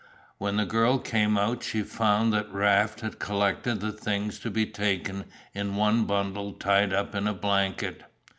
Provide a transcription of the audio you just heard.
When the girl came out she found that Raft had collected the things to be taken in one bundle tied up in a blanket.